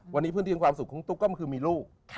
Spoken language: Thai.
วันนี้พื้นที่ของความสุขของตุ๊กก็คือมีลูก